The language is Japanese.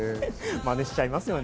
マネしちゃいますよね。